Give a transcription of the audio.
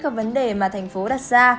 các vấn đề mà tp đặt ra